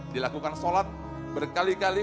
dilakukan sholat berkali kali